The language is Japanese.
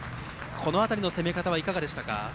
この辺りの攻め方はいかがでしたか。